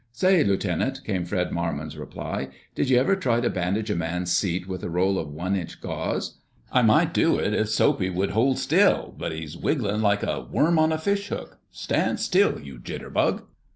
"Say, Lieutenant," came Fred Marmon's reply, "did you ever try to bandage a man's seat with a roll of one inch gauze? I might do it if Soapy would hold still, but he's wiggling like a worm on a fishhook.... Stand still, you jitterbug!"